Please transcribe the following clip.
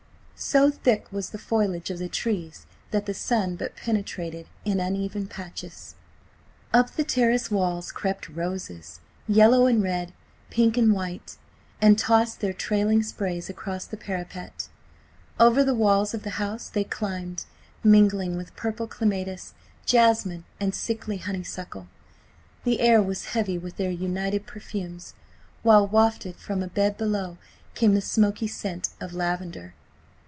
So thick was the foliage of the trees that the sun but penetrated in uneven patches. Up the terrace walls crept roses, yellow and red, pink and white, and tossed their trailing sprays across the parapet. Over the walls of the house they climbed, mingling with purple clematis, jasmine, and sickly honeysuckle. The air was heavy with their united perfumes, while, wafted from a bed below, came the smoky scent of lavender.